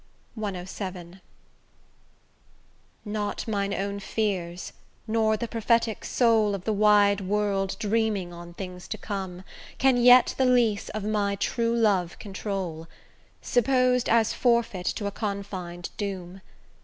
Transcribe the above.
CVII Not mine own fears, nor the prophetic soul Of the wide world dreaming on things to come, Can yet the lease of my true love control, Supposed as forfeit to a confin'd doom.